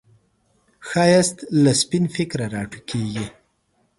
ښایست له سپین فکره راټوکېږي